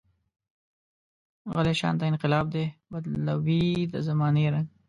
غلی شانته انقلاب دی، بدلوي د زمانې رنګ.